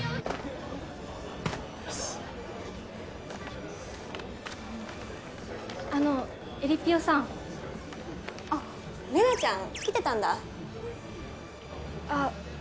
よしあのえりぴよさんあっ玲奈ちゃん来てたんだあっ